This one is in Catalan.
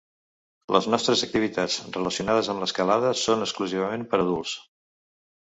Les nostres activitats relacionades amb l'escalada són exclusivament per a adults.